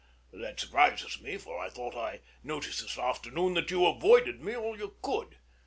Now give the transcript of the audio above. That surprises me; for I thought I noticed this afternoon that you avoided me all you could.